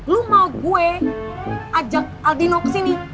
lo mau gue ajak albino kesini